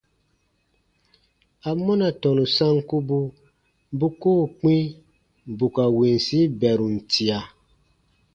Amɔna tɔnu sankubu bu koo kpĩ bù ka winsi bɛrum tia?